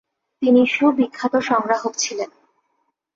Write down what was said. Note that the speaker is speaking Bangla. তিনি সুবিখ্যাত সংগ্রাহক ছিলেন।